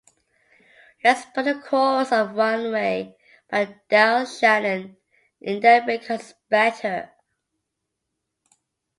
Let's put the chorus of "Runaway" by Del Shannon in there because it's better!